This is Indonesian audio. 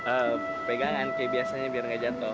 eh pegangan kayak biasanya biar nggak jatuh